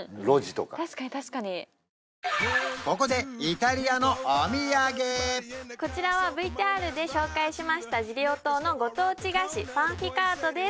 確かに確かにここでイタリアのお土産こちらはＶＴＲで紹介しましたジリオ島のご当地菓子パンフィカートです